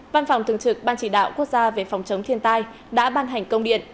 văn phòng thường trực ban chỉ đạo quốc gia về phòng chống thiên tai đã ban hành công điện